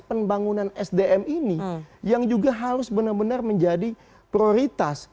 pembangunan sdm ini yang juga harus benar benar menjadi prioritas